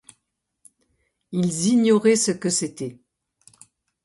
Ils ignoraient ce que c’était.